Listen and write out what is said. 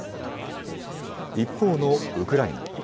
一方のウクライナ。